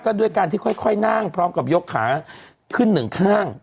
ด้วยการที่ค่อยนั่งพร้อมกับยกขาขึ้นหนึ่งข้าง